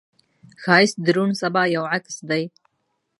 ښایست د روڼ سبا یو عکس دی